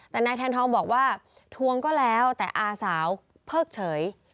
แต่นายแทนทองบอกว่าทวงก็แล้วแต่อาสาวเพิกเฉย